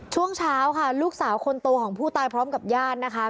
ช่วงเช้าค่ะลูกสาวคนโตของผู้ตายพร้อมกับญาตินะคะ